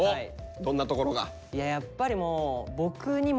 どんなところが？